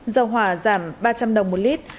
dầu hỏa giảm ba trăm linh đồng một lit